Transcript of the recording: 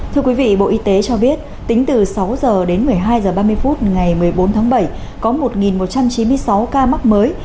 thưa quý vị bộ y tế cho biết tính từ sáu h đến một mươi hai h ba mươi phút ngày một mươi bốn tháng bảy có một một trăm chín mươi sáu ca mắc mới